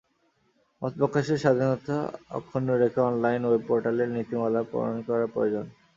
মতপ্রকাশের স্বাধীনতা অক্ষণ্ন রেখে online web পোর্টালের নীতিমালা প্রণয়ন করা প্রয়োজন।